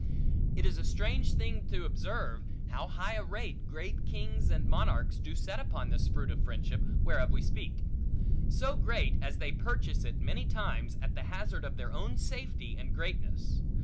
It is a strange thing to observe, how high a rate great kings and monarchs do set upon this fruit of friendship, whereof we speak: so great, as they purchase it, many times, at the hazard of their own safety and greatness.